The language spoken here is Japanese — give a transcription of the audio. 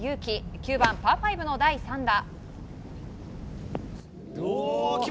９番、パー５の第３打。